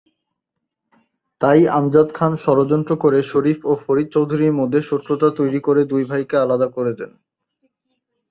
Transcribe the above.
তাই আমজাদ খান ষড়যন্ত্র করে শরীফ ও ফরিদ চৌধুরীর মধ্যে শত্রুতা তৈরি করে দুই ভাইকে আলাদা করে দেন।